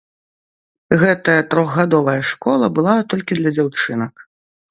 Гэтая трохгадовая школа была толькі для дзяўчынак.